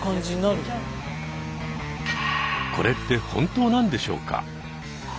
これって本当なんでしょうか？